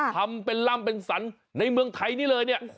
ทำเป็นล่ำเป็นสรรในเมืองไทยนี่เลยเนี่ย